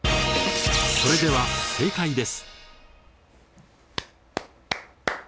それでは正解です。